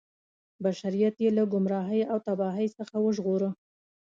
بشریت یې له ګمراهۍ او تباهۍ څخه وژغوره.